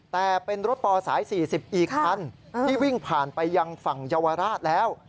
แต่เป็นรถปสาย๔๐อีกคันที่วิ่งผ่านไปยังฝั่งเยาวราชแล้ว